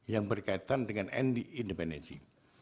yang berkaitan dengan independensi